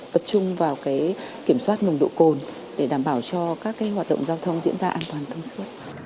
tập trung vào kiểm soát nồng độ cồn để đảm bảo cho các hoạt động giao thông diễn ra an toàn thông suốt